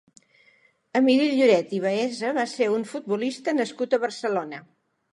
Emili Lloret i Baeza va ser un futbolista nascut a Barcelona.